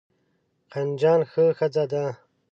قندجان ښه ښځه ده.